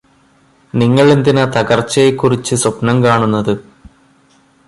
നിങ്ങള് എന്തിനാ തകർച്ചയെക്കുറിച്ച് സ്വപ്നം കാണുന്നത്